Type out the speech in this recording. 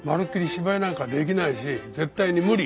芝居なんか出来ないし絶対に無理。